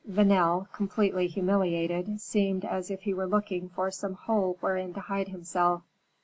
Vanel, completely humiliated, seemed as if he were looking for some hole wherein to hide himself.